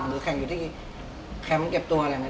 แข่งอยู่ที่แคมป์เก็บตัวอะไรอย่างนี้